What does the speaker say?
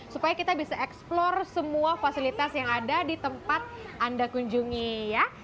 supaya kita bisa eksplore semua fasilitas yang ada di tempat anda kunjungi ya